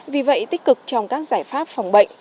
vì vậy tích cực trong các giải pháp phòng bệnh